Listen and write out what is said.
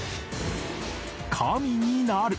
神になる！